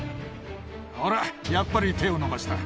ほらやっぱり手を伸ばした。